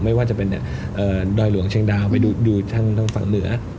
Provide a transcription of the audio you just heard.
ไม่ว่าจะเป็นไปดูดทางฝั่งเหลือ